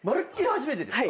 初めてですか？